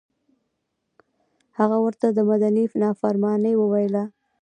هغه ورته مدني نافرماني وویله.